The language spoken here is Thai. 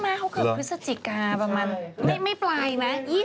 พี่ม้าเขาเกิดพฤษจิกาประมาณไม่ปลายนะ